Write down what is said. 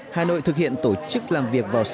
hà nội thực hiện tổ chức làm việc vào ngày thường